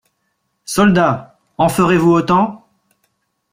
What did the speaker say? Soldats, en ferez-vous autant?